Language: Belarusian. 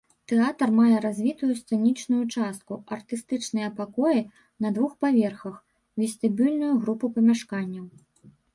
Тэатр мае развітую сцэнічную частку, артыстычныя пакоі на двух паверхах, вестыбюльную групу памяшканняў.